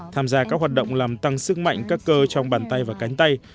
tham gia các hoạt động làm tăng sức mạnh các cơ trong bàn tay và cánh tay